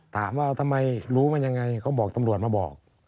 ถามว่าทำไมรู้มันยังไงเขาบอกตำรวจมาบอก